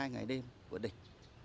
một mươi hai ngày đêm của địch